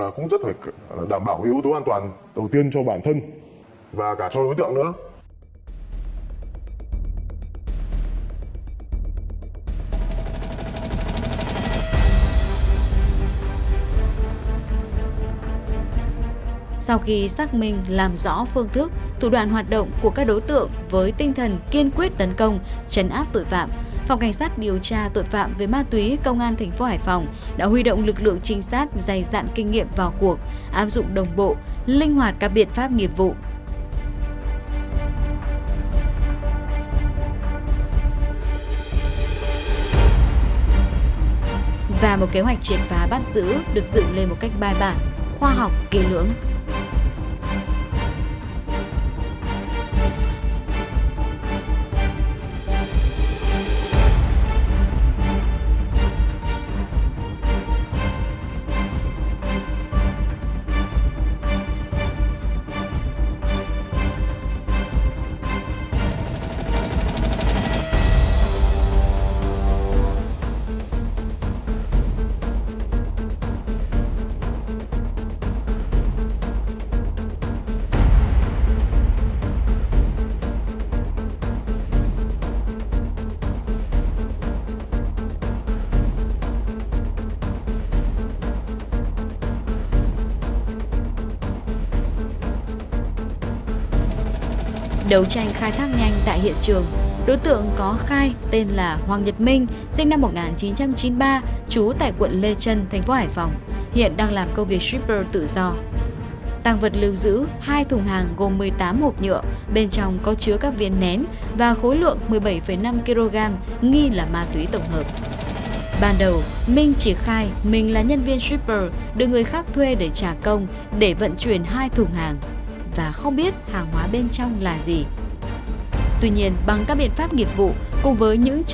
cuộc đấu tranh bóc gỡ đường dây mua bán vận chuyển che phép chất ma túy liên tỉnh xuyên quốc gia này thực sự là cuộc đấu tranh bóc gỡ đường dây mua bán mất rất nhiều thời gian công sức của các lực lượng chức năng trong việc lần tìm các dấu vết của chúng